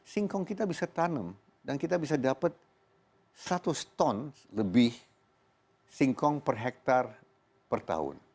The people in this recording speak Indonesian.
singkong kita bisa tanam dan kita bisa dapat seratus ton lebih singkong per hektare per tahun